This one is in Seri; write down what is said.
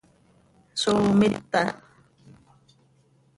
¿Zó mita?